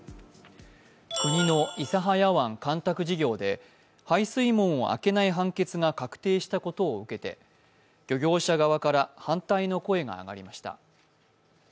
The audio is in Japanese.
国の諫早湾干拓事業で排水門を開けない判決が確定したことを受けて漁業者側から反対の声が上がりました。